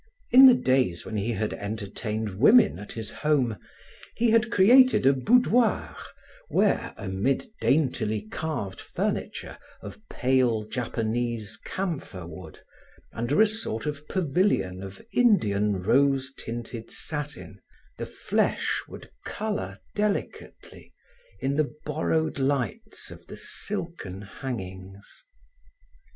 In the days when he had entertained women at his home, he had created a boudoir where, amid daintily carved furniture of pale, Japanese camphor wood, under a sort of pavillion of Indian rose tinted satin, the flesh would color delicately in the borrowed lights of the silken hangings.